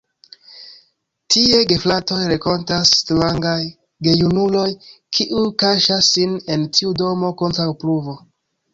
Tie gefratoj renkontas strangaj gejunuloj, kiuj kaŝas sin en tiu domo kontraŭ pluvo.